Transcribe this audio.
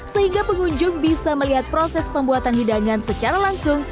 sehingga pengunjung bisa melihat proses pembuatan hidangan secara langsung